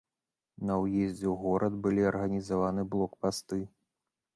На ўездзе ў горад былі арганізаваны блокпасты.